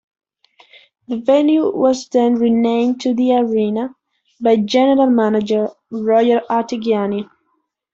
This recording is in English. The venue was then renamed to The Arena by general manager Roger Artigiani.